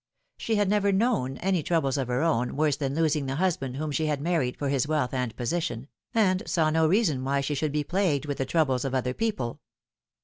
She had never known any troubles of her own worse than losing the husband whom she had married for hi i wealth and position, and saw no reason why she should bo plagued with the troubles of other people.